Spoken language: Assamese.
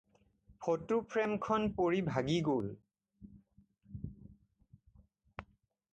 ফটো ফ্ৰেমখন পৰি ভাগি গ'ল।